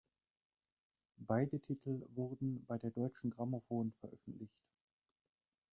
Beide Titel wurden bei der Deutschen Grammophon veröffentlicht.